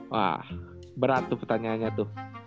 wah berat tuh pertanyaannya tuh